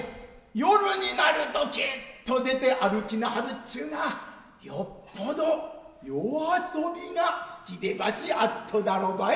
夜になるときっと出て歩きなはるちゅうがよっぽど夜遊びが好きでばしあッとだろばい。